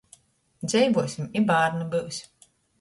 Dzeivuosim, i bārni byus.